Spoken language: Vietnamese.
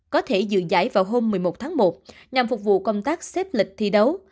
có thể dựng giải vào hôm một mươi một tháng một nhằm phục vụ công tác xếp lịch thi đấu